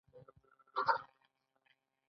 مقرره خاصه ده او اداره یې وضع کوي.